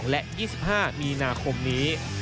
และ๒๕มีนาคมนี้